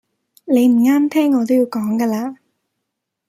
你唔啱聽我都要講㗎喇